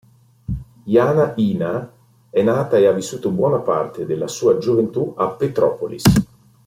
Jana Ina è nata e ha vissuto buona parte della sua gioventù a Petrópolis.